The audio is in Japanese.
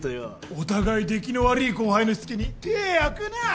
お互い出来の悪ぃ後輩のしつけに手ぇ焼くなぁ。